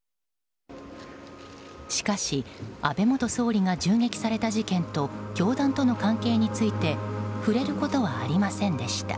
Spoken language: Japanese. しかし安倍元総理が銃撃された事件と教団との関係について触れることはありませんでした。